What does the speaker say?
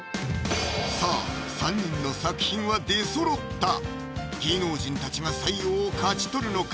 さあ３人の作品は出そろった芸能人たちが採用を勝ち取るのか⁉